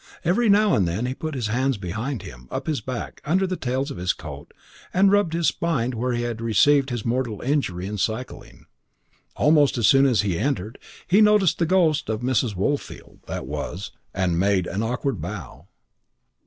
Every now and then he put his hands behind him, up his back, under the tails of his coat, and rubbed his spine where he had received his mortal injury in cycling. Almost as soon as he entered he noticed the ghost of Mrs. Woolfield that was, and made an awkward bow.